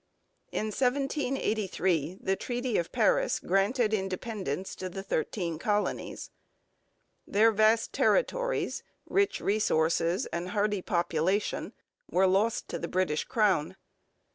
In 1783 the Treaty of Paris granted independence to the Thirteen Colonies. Their vast territories, rich resources, and hardy population were lost to the British crown.